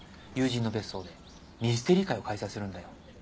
友人の別荘でミステリー会を開催するんだよ。